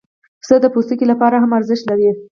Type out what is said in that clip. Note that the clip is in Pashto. پسه د پوستکي لپاره هم ارزښت لري.